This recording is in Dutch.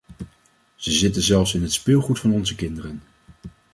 Ze zitten zelfs in het speelgoed van onze kinderen.